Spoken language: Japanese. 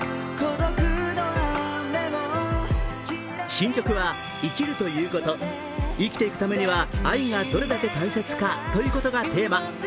新曲は、生きるということ、生きていくためには愛がどれだけ大切かということがテーマ。